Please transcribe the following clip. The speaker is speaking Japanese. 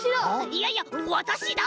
いいやわたしだ！